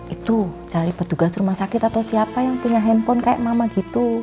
itu cari petugas rumah sakit atau siapa yang punya handphone kayak mama gitu